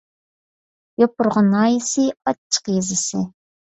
يوپۇرغا ناھىيەسى ئاچچىق يېزىسى